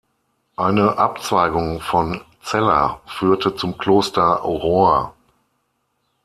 Eine Abzweigung von Zella führte zum Kloster Rohr.